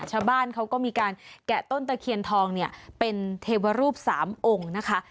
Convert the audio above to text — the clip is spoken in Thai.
ชาวบ้านเขาก็มีการแกะต้นตะเคียนทองเนี่ยเป็นเทวรูปสามองค์นะคะ